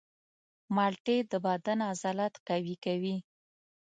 مالټې د بدن عضلات قوي کوي.